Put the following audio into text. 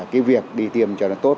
cái việc đi tìm cho nó tốt